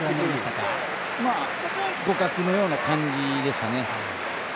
互角のような感じでしたね。